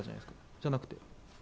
じゃなくて？